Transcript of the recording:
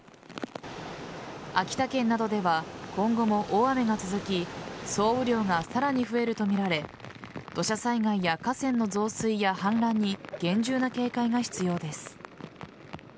秋田県などでは今後も大雨が続き総雨量がさらに増えるとみられ土砂災害や河川の増水や氾濫に厳重な警戒が必要です。